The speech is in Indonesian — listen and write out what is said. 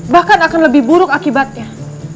bahkan akan lebih buruk akibatnya